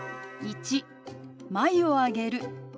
１眉を上げる。